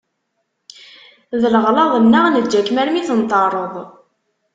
D leɣlaḍ-nneɣ neǧǧa-kem armi i tenṭerreḍ.